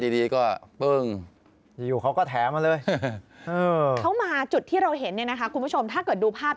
แล้วไงต่อครับ